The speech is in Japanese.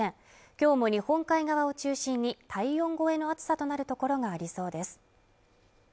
きょうも日本海側を中心に体温超えの暑さとなる所がありそうです